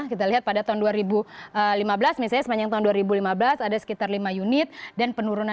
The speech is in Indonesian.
kita lihat pada tahun dua ribu lima belas misalnya sepanjang tahun dua ribu lima belas ada sekitar lima unit dan penurunan